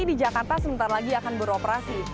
di jakarta sebentar lagi akan beroperasi